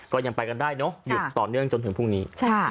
ก็ยังไปกันได้เนอะหยุดต่อเนื่องจนถึงพรุ่งนี้